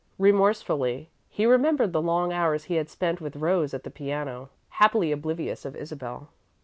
Remorsefully, he remembered the long hours he had spent with Rose at the piano, happily oblivious of Isabel.